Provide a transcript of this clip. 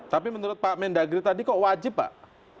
tapi menurut pak mendagri tadi kok wajib pak